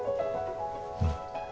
うん。